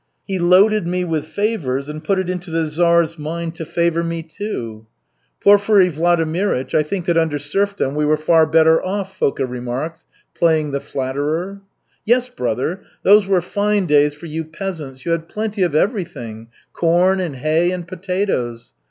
He loaded me with favors, and put it into the Czar's mind to favor me, too." "Porfiry Vladimirych, I think that under serfdom we were far better off," Foka remarks, playing the flatterer. "Yes, brother, those were fine days for you peasants. You had plenty of everything, corn and hay and potatoes.